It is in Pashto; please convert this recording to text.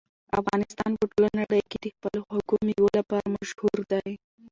افغانستان په ټوله نړۍ کې د خپلو خوږو مېوو لپاره مشهور دی.